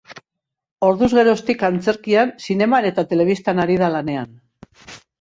Orduz geroztik, antzerkian, zineman eta telebistan ari da lanean.